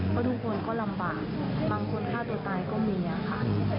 เพราะทุกคนก็ลำบากบางคนฆ่าตัวตายก็มีค่ะ